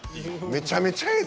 めちゃめちゃええ